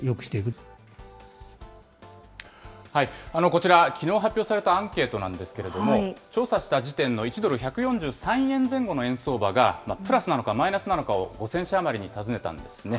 こちら、きのう発表されたアンケートなんですけれども、調査した時点の１ドル１４３円前後の円相場が、プラスなのか、マイナスなのかを５０００社余りに尋ねたんですね。